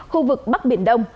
khu vực bắc biển đông